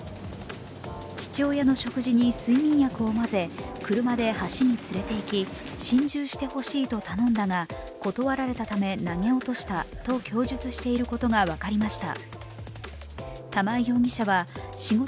父親の食事に睡眠薬を混ぜ車で橋に連れて行き心中してほしいと頼んだが断られたため投げ落としたと供述していることが分かりました。